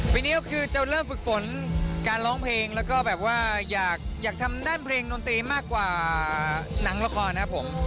ปีนี้ก็คือจะเริ่มฝึกฝนการร้องเพลงแล้วก็แบบว่าอยากทำด้านเพลงดนตรีมากกว่าหนังละครนะครับผม